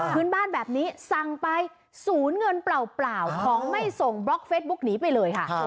พื้นบ้านแบบนี้สั่งไปศูนย์เงินเปล่าของไม่ส่งบล็อกเฟซบุ๊กหนีไปเลยค่ะ